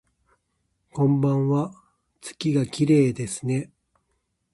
こんばんわ、月がきれいですね